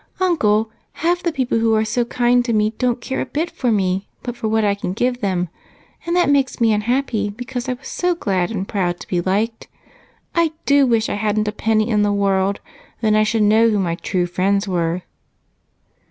"Uncle, half the people who are so kind to me don't care a bit for me, but for what I can give them, and that makes me unhappy, because I was so glad and proud to be liked. I do wish I hadn't a penny in the world, then I should know who my true friends were."